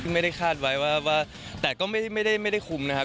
ซึ่งไม่ได้คาดไว้ว่าแต่ก็ไม่ได้คุมนะครับ